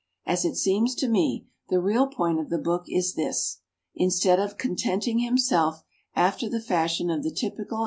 As it seems to me, the real point of the book is this: instead of contenting himself, after the fashion of the typical